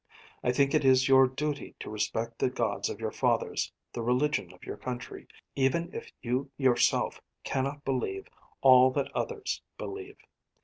I think it is your duty to respect the gods of your fathers, the religion of your country even if you yourself cannot believe all that others believe.